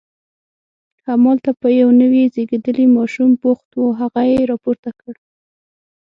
همالته په یو نوي زیږېدلي ماشوم بوخت و، هغه یې راپورته کړ.